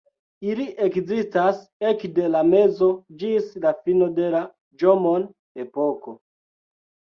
Ili ekzistas ekde la mezo ĝis la fino de la Ĵomon-epoko.